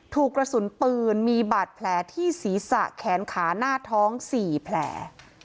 ถูกกระสุนปืนมีบาดแผลที่ศีรษะแขนขาหน้าท้อง๔แผล